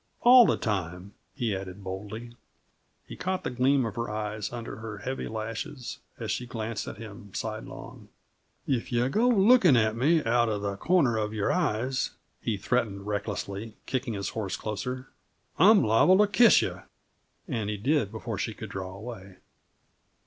All the time," he added boldly. He caught the gleam of her eyes under her heavy lashes, as she glanced at him sidelong. "If you go looking at me out of the corner of your eyes," he threatened recklessly, kicking his horse closer, "I'm liable to kiss you!" And he did, before she could draw away.